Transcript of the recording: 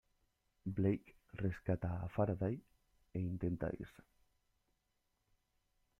Blake rescata a Faraday e intenta irse.